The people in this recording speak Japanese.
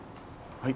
はい。